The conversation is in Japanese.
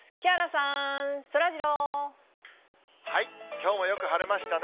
きょうもよく晴れましたね。